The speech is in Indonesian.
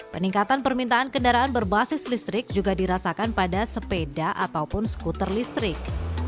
peningkatan permintaan kendaraan berbasis listrik juga dirasakan pada sepeda ataupun skuter listrik